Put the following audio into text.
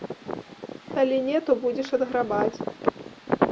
Калі не, то будзеш адграбаць.